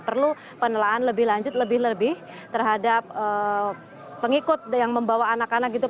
perlu penelaan lebih lanjut lebih lebih terhadap pengikut yang membawa anak anak gitu